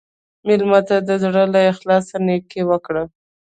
مېلمه ته د زړه له اخلاصه نیکي وکړه.